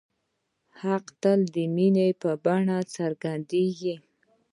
حق تل د مینې په بڼه څرګندېږي.